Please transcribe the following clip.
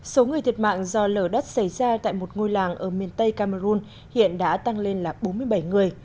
số người thiệt mạng do lở đất xảy ra tại một ngôi làng ở miền tây cameroon hiện đã tăng lên là bốn mươi bảy người